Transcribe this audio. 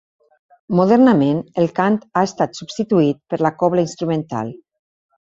Modernament el cant ha estat substituït per la cobla instrumental.